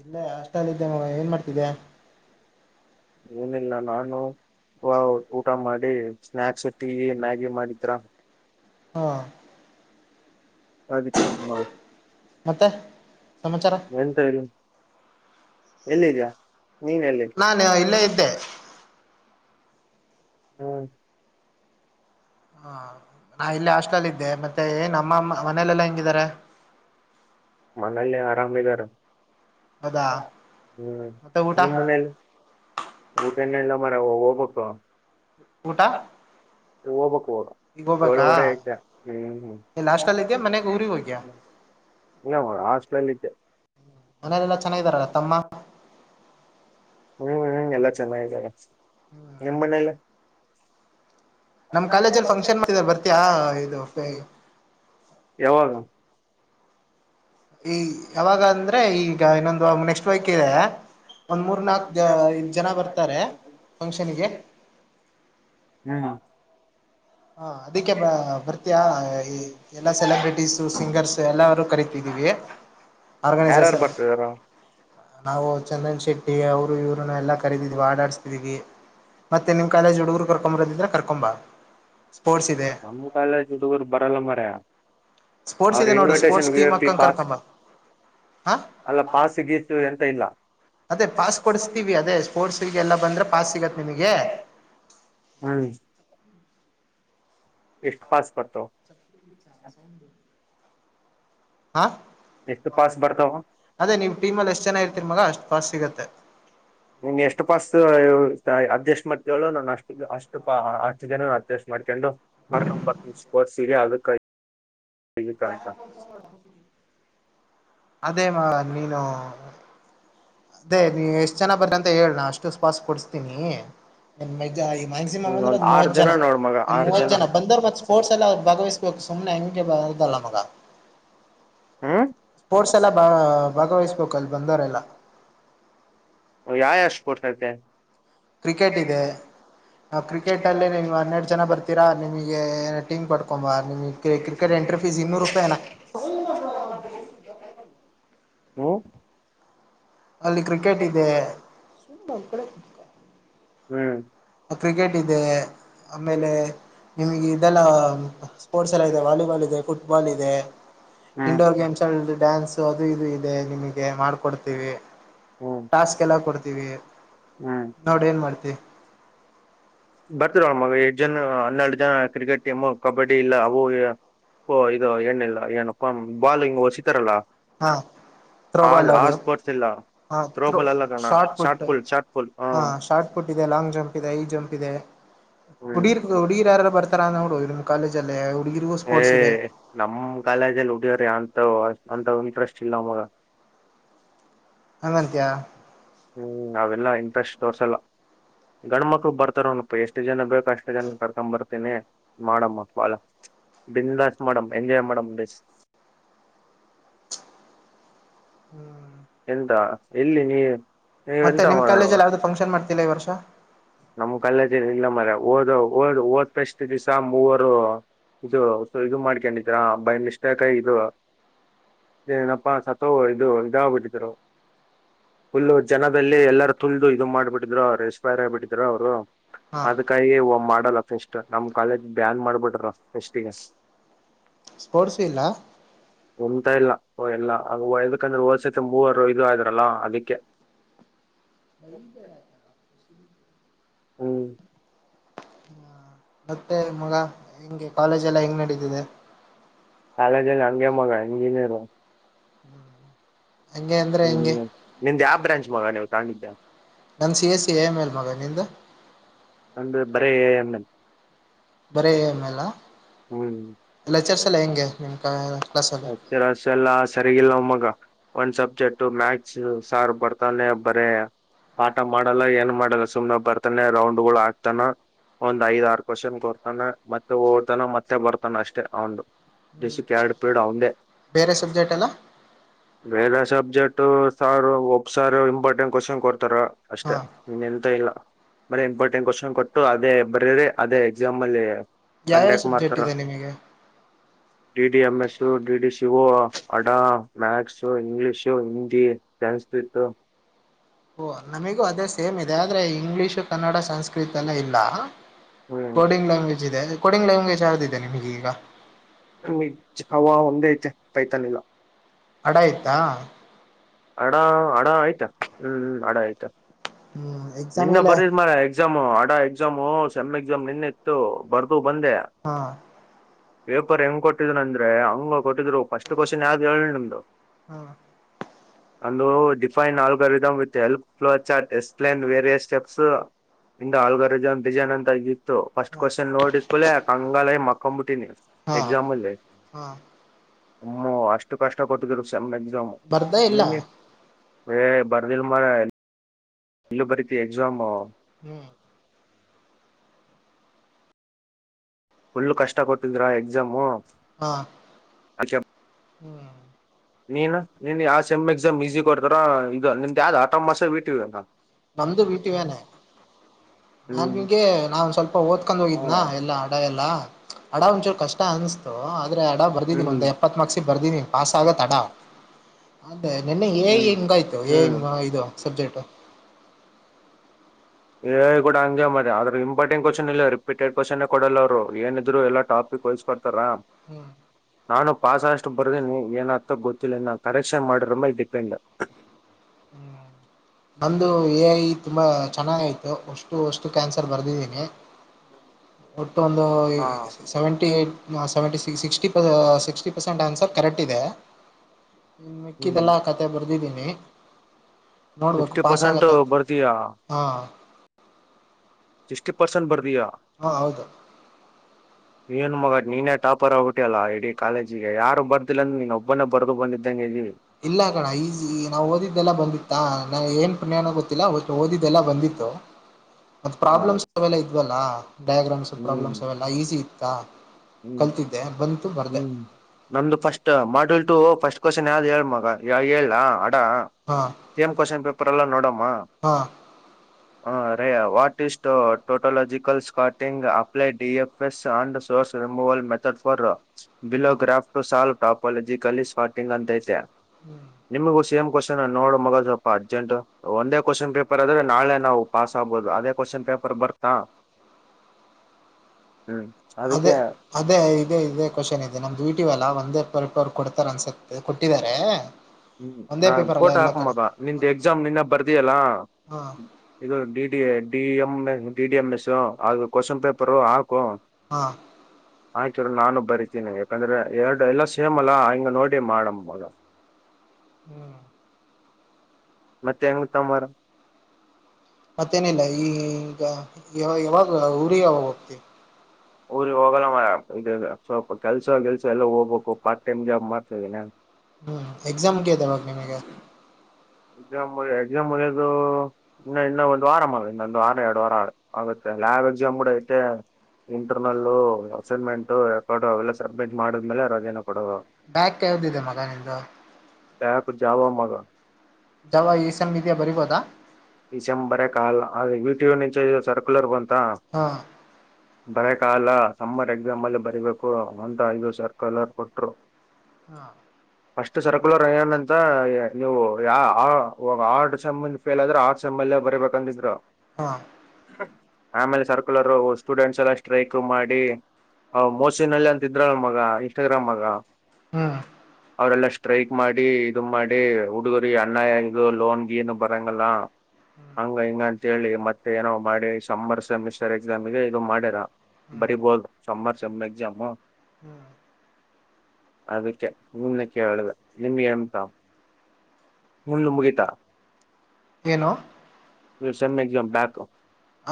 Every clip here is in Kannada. ಇಲ್ಲೇ ಅಷ್ಟ ಅಲ್ಲಿದ್ದೆ ಏನ್ ಮಾಡ್ತಿದ್ಯಾ ಏನಿಲ್ಲ ನಾನು ಇವಾಗ ಊಟ ಮಾಡಿ ಸ್ನಾಯಕ್ಸ್ ಟೀ ಮ್ಯಾಗಿ ಮಾಡಿದ್ರ ಹಾ ಅದ ಚ ಮಾಡ. ಮತ್ತೆ ಸಮಾಚಾರ. ಎಂತ ಇಲ್ಲ ಎಲ್ಲಿದ್ಯಾ ನೀನ್ ಎಲ್ಲಿ. ನಾನು ಇಲ್ಲೇ ಇದ್ದೆ ಹ ಹಾ ನಾ ಇಲ್ಲಿ ಹಾಸ್ಟೆಲ್ ಅಲ್ಲಿ ಇದ್ದೆ ಮತ್ತೆ ಏನ್ ನಮ್ಮಮ್ಮ ಮನೇಲೆೆಲ್ಲಾ ಹೆಂಗಿದ್ದಾರೆ. ಮನಲಿ ಆರಾಮಾ ಇದಾರೆ ಹೌದಾ ಹ್ಮ್ ಮತ್ತೆ ಊಟ ನಿಮ್ ಮನೇಲಿ. ಊಟ ಇನ್ನ ಇಲ್ಲ ಮರಯಾ ಹೋಗ್ಬೇಕು. ಊಟ ಹೋಗ್ಬಕು ಈಗ ಏಳು ಹೋಗ್ಬೇಕಾ ವಡೆ ಹ್ಮ್ ಇಲ್ಲ ಹಾಸ್ಟೆಲ್ ಇದ್ಯಾ ಮನೆಗ್ ಊರಿಗೆ ಹೋಗ್ಯಾ [unintelligible] ಇಲ್ಲ ಹಾಸ್ಟ್ಲಲ್ಲಿ ಇದ್ದೆ ಮನೇಲೆಲ್ಲಾ ಚೆನ್ನಾಗಿದಾರಲ್ಲ ತಮ್ಮ [unintelligible] ಹ್ಮ್ ಹ್ಮ ಎಲ್ಲಾ ಚೆನ್ನಾಗಿದಾರೆ ನಿಮ್ ಮನೇಲಿ. ನಮ್ ಕಾಲೇಜಲ್ಲಿ ಫಂಕ್ಷನ್ ಮಾಡಿದರೆ ಬರ್ತಿಯಾ ಇದು ಯಾವಾಗ. ಈ ಯಾವಾಗ ಅಂದ್ರೆ ಈಗ ಇನ್ನೊಂದು ನೆಕ್ಸ್ಟ್ ವೀಕ್ ಇದೆ. ಒಂದ್ ಮೂರ್ ನಾಲ್ಕು ಇದ್ ಜನ ಬರ್ತಾರೆ ಫಂಕ್ಷನ್ಗೆ. ಹ್ಮ್ ಹಾಂ ಅದಕ್ಕೆ ಬ ಬರ್ತೀಯಾ ಈ. ಎಲ್ಲಾ ಸೆಲೆಬ್ರಿಟೀಸು ಸಿಂಗರ್ಸ್ ಎಲ್ಲರೂ ಕರಿತಿದ್ದೀವಿ. ಆರ್ಗನೈಸರ್ಸ್ ಯಾರ್ಯಾರು ಬರ್ತಿದಾರ. ನಾವು ಚಂದನ್ ಶೆಟ್ಟಿ ಅವರು ಇವ್ರನ್ನ ಎಲ್ಲಾ ಕರೀದಿದ್ವಿ ಆಡಾಡ್ಸ್ತಿವವಿ. ಮತ್ತೆ ನಿಮ್ಮ ಕಾಲೇಜ ಹುಡುರು ಕರ್ಕೊಂಬರದಿದ್ರ ಕರ್ಕೊಂಡ್ ಬಾ. ಸ್ಪೋರ್ಟ್ಸ್ ಇದೆ. ನಮ್ ಕಾಲೇಜ್ ಹುಡುಗರು ಬರಲ್ಲ ಮಾರಾಯ. ಸ್ಪೋರ್ಟ್ಸ್ ಅವ ಇದೆ ನೋಡು invitation sports V I team P ಅಕ್ಕಂಗ ಪಾಸ್. ಕರ್ಕೊಂಬ ಹಾ ಅಲ್ಲ ಪಾಸು ಗೀತು ಎಂತ ಇಲ್ಲ. ಅದೇ ಪಾಸ್ ಕೊಡ್ಸ್ತೀವಿ ಅದೇ ಸ್ಪೋರ್ಟ್ಸಿಗೆ ಎಲ್ಲ ಬಂದ್ರೆ ಪಾಸ್ ಸಿಗತ್ ನಿಮಗೆ. ಹ ಎಸ್ಟ್ ಪಾಸ್ ಬರ್ತಾವ. [inaudible] ಹ ಎಷ್ಟು ಪಾಸ್ ಬರ್ತಾವ ಅದೇ ನಿಮ್ ಟೀಮ್ ಅಲ್ಲಿ ಎಷ್ಟ ಜನ ಇರ್ತೀರ ಮಗ ಅಷ್ಟ್ ಪಾಸ್ ಸಿಗತ್ತೆ. ನಿನ್ ಎಷ್ಟು ಪಾಸ್ ಅಡ್ಜಸ್ಟ್ ಮಾಡ್ತ ಹೇಳು ನಾನು ಅಷ್ಟ. ಅಷ್ಟು ಪ ಹಷ್ಟ ಜನ ಅಡ್ಜೆಸ್ಟ್ ಮಾಡ್ಕೊಂಡು. ಮರ್ ಬರ್ [unintelligible] ಅದೇ ಏನು ನೀನು. ಅದೇ ನೀ ಎಷ್ಟ್ ಜನ ಬರ್ತೀರಾ ಅಂತ ಹೇಳು ಅಷ್ಟು ಪಾಸ್ ಕೊಡ್ಸ್ತೀನಿ. ಮಕ್ಸಿಮಮ್ ಹ್ಮ್ ಒಂದ್ ಅಂದ್ರೆದ್ ಆರ್ ಮೂವತ್ ಜನ ನೋಡ್ ಮಗ ಒಂದ್ ಆರ್ ಮೂವತ್ ಜನ ಬಂದರು ಮತ್ತತ್ ಸ್ಪೋರ್ಟ್ಸ್ ಎಲ್ಲ್ ಭಾಗವ ಸುಮ್ಮನೆ ಎಂಗಗೆ ಬಾರದಲ ಮಗ. ಹ್ಮ್ ಸ್ಪೋರ್ಟ್ಸ್ ಎಲ್ಲಾ ಬ ಭಾಗವಹಿಸ್ಬೇಕು ಅಲ್ಲಿ ಬಂದವರೆಲ್ಲಾ. ಯಾ ಯ ಸ್ಪೋರ್ಟ್ ಆಯ್ತೇ. ಕ್ರಿಕೆಟ್ ಇದೆ. ಕ್ರಿಕೆಟಲ್ಲೇ ನೀವು ಹನ್ನೆರಡು ಜನ ಬರ್ತೀರಾ ನಿಮಗೆ ಏ ಟೀಮ್ ಕಟ್ಕೊಂಡ ಬಾ ನಿಮಗೆ. ಕ್ರಿಕೆಟ್ ಎಂಟ್ರಿಫೀಸ್ ಇನ್ನೂರು ರೂಪಾಯನಾ. ಹ್ಮ ಅಲ್ಲಿ ಕ್ರಿಕೆಟ್ ಇದೆ. ಹ್ಮ್ ಕ್ರಿಕೆಟ್ ಇದೆ ಆಮೇಲೆ ನಿಮಗೆ ಇದೆಲ್ಲ ಸ್ಪೋರ್ಟ್ಸ್ ಎಲ್ಲ ಇದೆ ವಾಲಿಬಾಲ್ ಇದೆ ಫುಟ್ಬಾಲ್ ಇದೆ ಹ್ಮ್ ಇಂಡೋರ್ ಗೇಮ್ಸ್ ಚಲ್ಡ್ ಡ್ಯಾನ್ಸ್ ಅದು ಇದು ಇದೆ ನಿಮ ಮಾಡ್ಕೊಡ್ತೀವಿ ಹ್ಮ್ ಟಾಸ್ಕ್ ಎಲ್ಲ ಕೊಡ್ತೀವಿ ಹ್ಮ್ ನೋಡಿ ಏನ್ ಮಾಡ್ತಿವಿ ಬರ್ತರ ಎಷ್ಟ್ ಜನ ಹನ್ನೆರಡು ಜನ ಕ್ರಿಕೆಟ್ ಟೀಮು ಕಬಡ್ಡಿ ಇಲ್ಲ ಅವು ಇದು ಏ್ಣಿಲ್ಲ ಏನಪ್ಪಾ ಬಾಲ್ ಹಿಂಗ ಹೊಸಿತಾರಲ್ಲಾ ಹಾ ಥತ್ರೋಬಾಲ್ ಅದು ಇಲ್ಲ ಹ ೋ ಥ್ರೋಬಾಲ್ ಅಲ್ಲ ಕಣ shot put full shot put ಹ ಶಾರ್ಟ್ ಕೊಟ್ಟಿದೆ ಲಾಂಗ್ ಜಂಪ್ ಇದೆ ಹೈ ಜಂಪ್ ಇದೆ ಹ್ಮ್ ಉಡೀರ್ ಉಡೀರ್ ಯಾರ ಬರ್ತಾರ ನೋಡು ಇ ಕಾಲೇಜ ಅಲ್ಲೇ ಹುಗಿರಿಗೂ ಏ ಸ್ಪೋರ್ಟ್ಸ್ ಇದೆ ನಮ್ ಕಾಲೇಜಲ್ಲಿ ಉಡಿಯ್ರಿ ಅಂತ ಅಂತ ಇಂಟ್ರೆಸ್ಟ್ ಇಲ್ಲ ಅವಗ ಹಂಗಂತಯ ಹ್ಮ್ ಅವೆಲ್ಲಾ ಇಂಟ್ರೆಸ್ಟ್ ತೋರ್ಸಲ್ಲ ಗಂಡ್ ಮಕ್ಳು ಬರ್ತಾರ ಒನಪ್ಪ ಎಷ್ಟು ಜನ ಬೇಕು ಅಷ್ಟು ಜನ ಕರ್ಕೊ್ ಬರ್ತೀನಿ ಮಾಡಮಳ ಬನ್್ಲಾಸ್ ಮಾಡಮ್ ಎಂಜಾಯ್ ಮಾಡಮ್ ಬ ಹ್ಮ್ ಎಂತ ಎಲ್ಲಿ ನೀ ನೀವೆಂತ ಮಾಡ ಫಂಕ್ಷನ್್ತಿಲ್ಲ ಈ ವರ್ಷ ನಮ್ ಕಲ್ಲೇಜ ಇಲ್ಲ ಮ್ರ ಓದ ಓದ ಓದ್ ಪ್ರಷ್ಟ ದಿವ್ಸ ಮೂವರು ಇದು ಇದು ಮಾಡ್ಕೊಂಡಿದೀರಾಬೈ ಇಷ್ಟಕಿ ಇದು ಏನಪ್ಪಾ ಸತ್ತೋ ಇದು ಇದಾಗ್ಬಿಟ್ಟಿದರು ುಲ್ಲು ಜನದಲ್ಲಿ ಎಲ್ಲಾರ ತುಳ್ದು ಇದು ಮಾಡ್ಬಿಟ್ಟಿದ್ರು ಅವ್ರು ಎನ್ಸ್ಪೈರ್ ಆಗಿಬಿಟ್ಟಿದ್ರು ಅವ್ರು ಹಾ ಅದಕ್ಕೆ ಮಾಡಲ್ಲ ಫೆಸ್ಟ್ ನಮ್ಮ ಕಾಲೇಜ್ ಬ್ಯಾನ್ ಮಾಡ್ಬಿಟ್ರ ಫೆಸ್ಟ್ ಈಗ ಸ್ಪೋರ್ಟ್ಸ್ ಇಲ್ಲ ಹೊ್ತಾ ಇಲ್ಲ ಎಲ್ಲದಕಂದ್ರೆ ಹೋದ್ಸತೆ ಮೂವರು ಇ ಆ್ರಲ್ಲಾ ಅದಕ್ಕೆ ಹಳ [inaudible] ಹ್ಮ್ ಮತ್ತೆ ಮಗ ಹೆಂಗೆ ಕಾಲೇಜ ಎಲ್ಲಾ ಹೆಂಗ್ ನಡೀತಿದೆ ಕಾಲೇಜಲ್ಲಿ ಹಂಗೆ ಮಗ ಇಂಜಿನಿಯರ್ ಹಂಗೆ ಅಂದ್ರೆ ಹ ಹೆಂಗೆ ನಿಮ್ದ್ ಯಾವ ಬ್ರಾಂಚ್ ಮಗ ನೀವು ತಗೊಂಡಿದ್ದ ನನ್ C S C A M L ಮಗ ನಿಂದ ಒಂದು ಬರೇ ಅಣ್ಣನ್ ಬರೀ ಎಮ ಎಲ್ಲ ಹ್ಮ್ ಎಲ್ಲಲೆಚರ್ಸ್ ಎಲ್ಲ ಹೆಂಗೆ ನಿಮ ಕ ರತೆೆ ರಸ ಎಲ್ಲಾ ಸರಿಗಿಲ್ಲ ಒಮ್ಮಗ ಒಂದ್ ಸಬ್ಜೆಕ್ಟ್ ಮ್ಯಾಕ್ಸ್ ಸಾರ್ ಬರ್ತಾನೆ ಬರೇ ಪಾಠ ಮಾಡಲ್ಲ ಏನ್ ಮಾಡಲ್ಲ ಸುಮ್ ಬರ್ತಾನೆ ರೌಂಡ್ಗಳು ಆಾಕ್ತಾನ ಒಂದ್ ಐದ್ ಆರು ಕ್ವಶನ್ ಕೊೋರ್ತಾನ ಮತ್ತೆ ಓದತಾನ ಮತ್ತೆ ಬರ್ತಾನ ಅಷ್ಟೇ ಅವು ದಸಕ್ಕೆ ಎರಡು ಪೇಡು ಅವಂದೇ ಬೇರೆ ಸಬ್ಜೆಕ್ಟ್ ಎಲ್ಲ ಬೇರೆ ಸಬ್ಜೆಕ್ಟ್ ಸಾರು ಒಬ್ಸಾರು ಇಂಪಾರ್ಟೆಂಟ್ ಕ್ವಶನ್ ಕೊಡ್ತಾರ ಅಷ್ಟೇ ಹಾಂ ಇನ್ ಎಂತ ಇಲ್ಲ ಮರ ಇಂಪಾರ್ಟೆಂಟ್ ಕ್ವಶನ್ ಕೊಟ್ಟು ಅದೇ ಬರೀರಿ ಅದೇ ಎಕ್ಸಾಮ್ ಅಲ್ಲಿ ಯಾವ್ಯಾವ ಕಂಡಕ್ಟ್ ಸಬ್ಜೆಕ್ಟ್ ಮಾಡ್ತಾರ ಇದೆ ನಿಮಗೆ D D M S E D D C ವ ಅಡ ಮ್ಯಾಥಸ್ ಇಂಗ್ಲಿಷ್ ಹಿಂದಿ ಸನ್ಸ್ ಇತ್ತು ಓಹ ನಮಗೂ ಅದೇ ಸೇಮ್ ಇದೆ ಆದರೆ ಇಂಗ್ಲೀಷು ಕನ್ನಡ ಸಂಸ್ಕೃತ ಎಲ್ಲ ಇಲ್ಲ ಹ್ಮ್ ಕೋಡಿಂಗ್ ಲ್ಯಾಂಗ್ವೇಜ್ ಇದೆ ಕೋಡಿಂಗ್ ಲ್ಯಾಂಗ್ವೇಜ್ ಯಾವುದಿದೆ ನಿಮಗೆ ಈಗ. ನಮಿಗ್ ಜಾವಾ ಒಂದೇ ಇದ್ದಿದ್ ಪೈತಾನ್ ಇಲ್ಲ. ಅಡ ಇತ್ತಾ. ಅಡ ಅಡ ಅಯ್ತೆ ಹ್ಮ್ ಅಡ ಆಯ್ತೆ. ಹ್ಮ್. ನಿನ್ನ ಬರಿದ್ ಮರ ಎಕ್ಸಾಮು ಅಡ ಎಕ್ಸಾಮು ಸೆಮ್ ಎಕ್ಸಾಮ್ ನಿನ್ನೆ ಇತ್ತು ಬರ್ದು ಬಂದೆ. ಹಾ. ಪೇಪರ್ ಹೆಂಗ್ ಕೊಟ್ಟಿದ್ರು ಅಂದ್ರೆ ಹಂಗ ಕೊಟ್ಟಿದ್ರು ಫಸ್ಟ್ ಕ್ವಶನ್ ಯಾವ್ದು ಹೇಳ ನಿಮ್ದು. ಹಾಂ ನಂದು define algorithm with help flow chart explain various steps in the algorithm design ಅಂತ [inaudible] ಇತ್ತು ಫಸ್ಟ್ ಹಾಂ ಕ್ವಶನ್ ನೋಡಿದ್ಕೂಡ್ಲೆ ಕಂಗಾಲಾಗಿ ಮಕ್ಕೋಂಬಿಟ್ಟಿನಿ ಹಾಂ ಎಕ್ಸಾಮ್ ಮುಂದೆ. ಹಾಂ ಹೂ ಅಷ್ಟು ಕಷ್ಟ ಕೊಟ್ಟಿದರು ಸೆಂ ಎಕ್ಸಾಮ್ ಬರ್ದ ಇಲ್ಲ ನಿಮ್ಗೆ. ಹೇಯ್ ಬರ್ದಿಲ್ ಮಾರಾಯ. ಇನ್ನು ಬರಿತಿ ಎಕ್ಸಾಮ್. ಹ್ಮ್. ಫುಲ್ಲು ಕಷ್ಟ ಕೊಟ್ಟಿದ್ರ ಎಕ್ಸಾಮು ಹಾ. ನೀನ್ ನೀನ್ ಯಾವ ಸೆಮ್ ಎಕ್ಸಾಮ್ ಈಸಿ ಕೊಡ್ತಾರ ಇದು ನಿಮ್ದ್ ಯಾವ್ದ್ ಆಟೋಮಸ್ ಆ [unintelligible] ನಮ್ದು [unintelligible] ವೇನೆ ಹ್ಮ್ ನಾನ್ಗೆ ನಾ ಒ ಸ್ವಲ್ಪ ಓದ್ಕೊಂಡ್ ಹಾ, ಹೋಗಿದ್ನಾ ಎಲ್ಲ ಅಡ ಎಲ್ಲಾ ಅಡ ಒಂಚೂರು ಕಷ್ಟ ಅನ್ಸ್ತು. ಅಡ ಬರ್ದಿದೀನಿ ಹ್ಮ್ ಒಂದ್ ಎಪ್ಪತ್ ಮಾರ್ಕ್ಸಿಗ್ ಬರ್ದೀನಿ ಪಾಸ್ ಆಗತ್ ಅಡ. ಅದೇ ನಿನ್ನೆ ಏ ಐ ಹ್ಮ್ ಹೆಂಗಾಯ್ತು ಏ ಐ ಹ್ಮ್ ಇದು ಸಬ್ಜೆಕ್ಟು. ಏ ಐ ಕೂಡ ಹಂಗೆ ಮಾಡ್ಯಾರ ಆದ್ರ ಇಂಪಾರ್ಟಂಟ್ ಕ್ವಶನ್ ಇಲ್ಲ ರಿಪೀಟೆಡ್ ಕ್ವೆಶ್ಚನ್ನೆ ಕೊಡಲ್ಲ ಅವರು ಏನಿದ್ರು ಎಲ್ಲ ಟಾಪಿಕ್ವೈಸ್ ಕೊಡ್ತಾರ. ಹ್ಮ್. ನಾನು ಪಾಸ್ ಆಗೋಷ್ಟು ಬರ್ದೀನಿ ಏನಾಗುತ್ತೋ ಗೊತ್ತಿಲ್ಲ ಇನ್ನ ಕರೆಕ್ಷನ್ ಮಾಡಿರೋರ್ ಮೇಲ್ ಡಿಪೆಂಡ್. ಹ್ಮ್. ನಂದು ಏ ಐ ತುಂಬ ಚೆನ್ನಾಗ್ ಆಯ್ತು ಅಷ್ಟು ಅಷ್ಟುಕ್ಕೂ ಆನ್ಸರ್ ಬರೆದಿದ್ದೀನಿ. ಒಟ್ಟು ಒಂದು ಈ ಹಾ ಸೆವೆಂಟಿ ಏ ಸೆವೆಂಟಿ ಸಿ ಸಿಕ್ಟಿ ಪ ಸಿಕ್ಸ್ಟಿ ಪರ್ಸೆಂಟ್ ಆನ್ಸರ್ ಕರೆಕ್ಟ್ ಇದೆ. ಇನ್ ಹ್ಮ್ ಮಿಕ್ಕಿದೆಲ್ಲಾ ಕತೆೆ ಬರ್ದಿದ್ದೀನಿ. ನೋಡ್ಬೇಕು ಫಿಫ್ಟಿ ಪಾಸ್ ಪರ್ಸೆಂಟ್ ಆಗತ್ತೆ ಅಂತ ಬರ್ದೀಯಾ ಹಾ. ಸಿಕ್ಸ್ಟಿ ಪರ್ಸೆಂಟ್ ಬರ್ದಿಯಾ. ಹಾ ಹೌದು. ಏನು ಮಗ ನೀನೇ ಟಾಪರ್ ಆಗ್ಬಿಟ್ಯಲ್ಲ ಇಡೀ ಕಾಲೇಜಿಗೆ ಯಾರು ಬರ್ದಿಲ್ಲ ಅಂದ್ರ ನೀನೊಬ್ ಒಬ್ಬನನೆ ಬರ್ದು ಬಂದಿದ್ದಂಗೆ ಇದ್ದೀ. ಇಲ್ಲ ಕಣ ಈಸಿ ನಾ ಓದಿದ್ದೆಲ್ಲ ಬಂದಿತ್ತಾ ನಾ ಏನ್ ಪುಣ್ಯನೋ ಗೊತ್ತಿಲ್ಲ ಒಟ್ ಓದಿದ್ದಿದೆೆಲ್ಲ ಬಂದಿತ್ತು. ಮತ್ತು ನಾವು ಪ್ರಾಬ್ಲಮ್ಸ್ ಅವೆಲ್ಲ ಇದ್ವಲ್ಲ ಡಯಾಗ್ರಾಮ್ಸ್ ಹ್ಮ್ ಪ್ರಾಬ್ಲಮ್ಸ್ ಅವೆಲ್ಲ ಈಸಿ ಇತ್ತಾ. ಹ್ಮ್ ಕಲ್ತಿದ್ದೆ ಬಂತು ಬರ್ದೆ ಹ್ಮ್. ನಮ್ದು ಫಸ್ಟ್ ಮಾಡಲ್ ಟು ಫಸ್ಟ್ ಕ್ವಶನ್ ಯಾವ್ದ್ ಹೇಳ್ ಮಗ ಯ ಹೇಳ್ಲಾ ಅಡಾ. ಹಾ ಸೇಮ್ ಕ್ವೆಶ್ಚನ್ ಪೇಪರ್ ಅಲ್ಲ ನೋಡೋಮ. ಹಾ. ಹ್ಮ್ ರೇ what is tautological ಸ್ಕಾಟಿಂಗ್ apply D F S and source removal method for below graph ಸಾರ ತಾಪರ್ಲ್ಲಿ ಜ ಕಲಿ ಸ್ ಪಾರ್ಟಿಂಗ ಅಂತತೆ ಹ್ಮ್ ನಿಮಗ ಸೇಮ್ ಕೊಶನ್ ನೋಡು ಮಗ ಸ್ವಪ ಅರ್ಜೆಂಟ್ ಒಂದೇ ಕ್ವಶನ್ ಪೇಪರ್ ಆದ್ರೆ ನಾಳೆ ನಾವು ಪಾಸ್ ಆಗ್ಬಹುದು ಅದೇ ಕ್ವಶಚನ್ ಪೇಪರ್ ಬರ್ತಾ ಹ ಹ್ಮ್ ಅದೇ ಅದಕ್ಕೆ ಅದೇ ಇದೇ ಇದೇ ಕ್ವಶನ್ ಇದೆ ನಮ್ದ [unintelligible] ಇವಲ್ಲ ಒಂದ ಎಪ್ಪ ರಪ್ರ ಕೊಡ್ ಅನ್ಸತ್ತೆ ಕೊಟ್ಟಿದಿದ್ದಾರೆ ಹ್ಮ್ ನಾನ್ ಫೋಟೋ ಹಾಕಂಬಬ ನಿನ್ದ್ ಎಕ್ಸಾಮ್ ನಿನ್ನ ಬರ್ದಿಯಲ್ಲ ಹಾ ಇದು D D D A A D D M S ಅದು ಕ್ಶನ್ ಪೇಪರು ಹಾಕು ಹಾ ಆಯ್ತಿರು ರ ನಾನು ಬರಿತೀನಿ ಯಾಕಂದ್ರೆ ಎರಡು ಎಲ್ಲ ಸೇಮ್ ಅಲ್ಲಾ ಹಿಂಗ ನೋಡಿ ಮಾಡಮ್ಮಗ ಹ್ಮ್ ಮತ್ತೆ ಹೆಂಗ ತಂಬಾರ ಮತ್ತೇನಿಲ್ಲ ಈಗ ಯ ಯಾವಾಗ ಊರಿಗೆ ಯಾವಾಗ ಹೋಗ್ತಿವಿ ಊರಿಗೆ ಹೋಗಲ್ಲ ಇ ಸ್ವಲ್ಪ ಕೆಲ್ಸ ಕೆಲ್ಸ ಎಲ್ಲ ಹೋಗ್ಬೇಕು ಪಾರ್ಟ್ ಹ್ಮ್ ಎಕ್ಸಾಮ್ ಮುಗುಯದ್ಯಾವಾಗ ನಿಮಗೆ ಎಕ್ಸಾಮ್ ಮ ಎಕ್ಸಾಮ ಮುಗಿಯದೂ ಇನ್ನು ಇನ್ನೊಂದಂದು ವಾರ ಆಗ ಇನ್ನೊಂದ್ ವಾರ ಎರಡು ವಾರ ಆಗತ್ತೆ ಲ್ಯಾಬ್ ಎಕ್ಸಾಮ್ ಕೂಡ ಐತೆ ಇಂಟರ್ನಲ್ಲು ಅಸೈನ್ಮೆಂಟ್ ರಕಾರ್ಡ್ ಅವೆಲ್ಲ ಸಭ್ಮಿಟ್ ಮಾಡಿದ್ಮೇಲೆ ರಜೆನೆ ಕೊಡದ್ ಅವ್ರ್ ಬ್ಯಾಗ್ ಕೇಳದಿದೆ ಮಗ ನಿಂದು ಯಕು ಜಾವ ಮಾಗ ಜಾವ ಈಸಲ್ ಇದಾ ಬರಿಬೋದಾ ಡಿಸೆಂಬರ ಕಾಲ ಅದ ವಿಟೋ ನಿಚ ಸರ್ಕ್ಯುಲರ್ ಬಂತ ಹಾ ಬರಕಗಲ ಸಮ್ಮರ್ ಎಕ್ಸಾಮ್ ಅಲ್ಲಿ ಬರಿಬೇಕು ಒ ಐದು ಸರ್ಕುಲರ್ ಕೊಟ್ರು ಹಾ ಅಷ್ಟಟ್ ಸರ್ಕುಲರ್ ಅನ್ ಅಂತ ನೀವು ಯ ಆರ್ ಚಬಂದ ಫೇಲ್ ಆದ್ರೆ ಆ ಚಮ್ಮಲ್ ಬರಿಬೇಕಂದಿದ್ರು ಹಾ ಆಮೇಲೆ ಸರ್ಕುಲರ್ ಸ್ಟೂಡೆಂಟ್ಸ್ ಎಲ್ಲ ಸ್ಟ್ರೈಕ್ ಮಾಡಿ ಹ್ ಮೋಸಿನಲ್ಲಿ ಅಂತ ಇದ್ರಾಳ ನ ಮಗ ಇನ್ಸ್ಟಾಗ್ರಾಮ್ ಮಗ ಹ್ಮ ಅವರೆಲ್ಲಾ ಸ್ಟ್ರೈಕ್ ಮಾಡಿ ಇದು ಮಾಡಿ ಹುಡುಗ ಅಣ್ಣ ಇಗ ಲೋನ್ ಕೀನು ಬರಂಗಲ್ಲ ಹ್ಮ್ ಹಂಗ ಹಂಗ ತೆಳಿ ಮತ್ತೆ ಏನೋ್ ಮಾಡಿ ಸರ್ ಸೆಮಿಸ್ಟರ್ ಎಕ್ಸಾಮ್ಗೆ ಇದು ಮಾಡ್ಯಾರ ಹ್ಮ್ ಬರಿಬೋದುರ್ ಮಗ್ ಜಾಮ ಹ್ಮ್ ಅದಕ್ಕೆ ಮುಂದ ಕೇಳುದು ನಿಮ್ಗೆ ಎಮ್ತಾವ ಹಣು ಮುಗಿತಾ ಏನು ಎ ಬ್ಯಾಕ್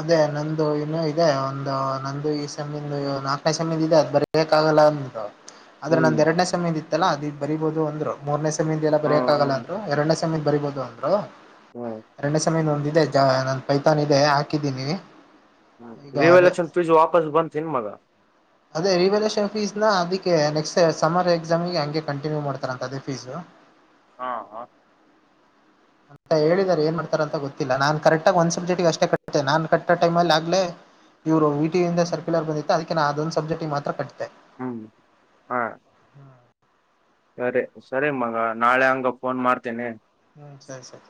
ಅದೇ ನಂದು ಇನ್ನುೂ ಇದೆ ಒಂದು ನಂದು ಈ ಸಮಮ್ಮೀಂದು ನಾಲ್ಕನೇ ಸಮ್ಮೀದ ಇದೆ ಅದ್ ಬರಿಬೇಕಾಗಲ್ಲ ಅು ಆದ್ರ ಹ್ಮ್ ನಂದ ಎರಡನೇ ಸಮಯದ ಇತ್ತಲ್ಲ ಅದ ಬರಿೀಬಹುದು ಅಂದ್ರು ಮೂರನೇಯ ಸಮದ ಎಲ್ಲ ಹ ಬರೇಕಕ್ಗಲ್ಲ ಹ್ಮ್ ಅಂದ್ರು ಎರಡನೇ ಸಮೀನ್ ಬರಿೀಬಹುದು ಅಂದ್ರು ಅರಣ್ಯ ಸಮಯ ನೊಂದಿದೆ ಜ ನನ್ ಪೈತಾನ್ ಇದೆ ಹಾಕಿದ್ದೀನಿ ಹ್ಮ ಈಗ ರಿವ ಅದೇ ಎಲೆಕ್ಷನ್ ಫೀಸ್ ವಾಪಸ್ ಬನ್ ಮಗ ಅದೇ ರಿವಲಷನ್ ಫೀಸ್ ನ ಅದಕ್ಕೆ ನೆಕ್ಸ್ಟ್ ಸ ಸಮರ್ ಎಕ್ಸಾಮಗೆ ಹಂಗೆ ಕಂಟಿನ್ಯೂ ಮಾಡ್ತಾರ ಅಂತ ಅದೇ ಫೀಸ್ು ಹಾ ಹ ಅ ಹೇಳಿದಿದ್ದಾರೆ ಏನ್ ಮಾಡ್ತಾರ ಅಂತ ಗೊತ್ತಿಲ್ಲ ನಾನ್ ಕರೆಕ್ಟಾಗಿ ಒಂದ್ ಸಬ್ಜೆಟಟ್ಗ ಅಷ್ಟ ಕಟ್ಟೆ ನಾನನ್ ಕಟ್ಟ ಟೈಮ್ಲ್ಲಿ ಆಗ್ೇ ಇವರು ವಿ ಟಿಯಂದ ಸರ್ಕ್ಯುಲರ್ ಬಂದಿತ್ತ ಅದಕ್ಕೆ ನ ಅದೊಂದ ಸಬ್ಜೆಟ್ ಮಾತ್ರ ಕಟ್ಟತೆೆ ಹ್ಮ್ ಹ ಸರಿ ಸರಿ ಮಗ ನಾಳೆ ಹಂಗ ಫೋನ್ ಮಾಡ್ತೇನಿ ಹ್ಮ್ ಸರಿ ಸರಿ